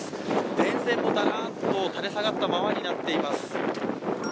電線もだらーんと垂れ下がったままになっています。